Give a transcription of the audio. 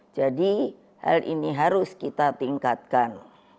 jadi hal ini harus kita tingkatkan